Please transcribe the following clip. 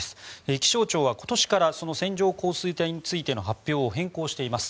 気象庁は今年からその線状降水帯についての発表を変更しています。